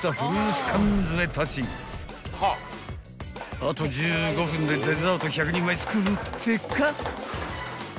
［あと１５分でデザート１００人前作るってか？］